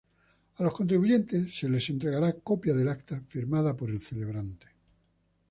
A los contrayentes se les entregará copia del acta firmada por el celebrante.